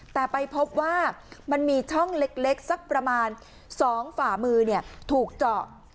แต่ไปพบว่ามันมีช่องเล็กสักประมาณ๒ฝ่ามือถูกเจาะ